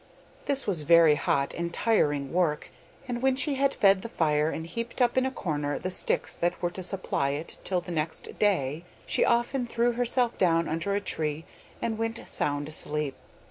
This was very hot and tiring work, and when she had fed the fire and heaped up in a corner the sticks that were to supply it till the next day, she often threw herself down under a tree, and went sound asleep.